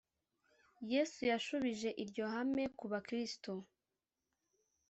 yesu yashubijeho iryo hame ku bakristo